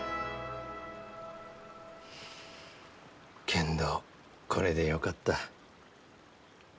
けんどこれでよかった。